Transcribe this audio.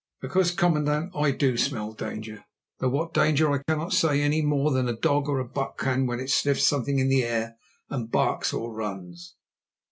"Because, commandant, I do smell danger, though what danger I cannot say, any more than a dog or a buck can when it sniffs something in the air and barks or runs.